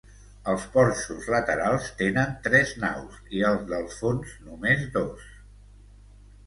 Els porxos laterals tenen tres naus i el del fons només dos.